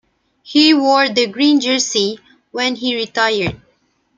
He wore the green jersey, when he retired.